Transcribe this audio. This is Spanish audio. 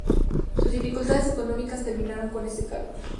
Sus dificultades económicas terminaron con ese cargo.